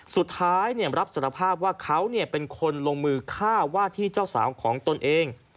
สุดท้ายรับสารภาพว่าเขาเป็นคนลงมือฆ่าว่าที่เจ้าสาวของตนเอง